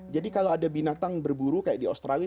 jadi kalau ada binatang berburu kayak di australia